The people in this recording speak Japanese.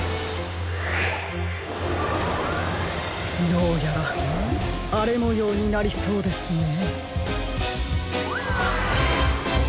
どうやらあれもようになりそうですね。